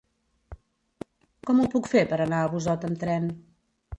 Com ho puc fer per anar a Busot amb tren?